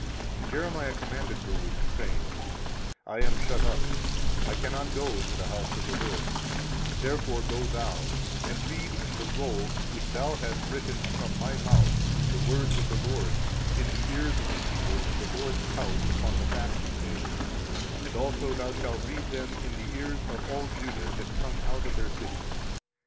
24:036:005 And Jeremiah commanded Baruch, saying, I am shut up; I cannot go into the house of the LORD: 24:036:006 Therefore go thou, and read in the roll, which thou hast written from my mouth, the words of the LORD in the ears of the people in the LORD's house upon the fasting day: and also thou shalt read them in the ears of all Judah that come out of their cities.